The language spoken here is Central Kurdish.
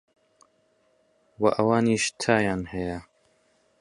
وە ئەوانیش تایان هەیە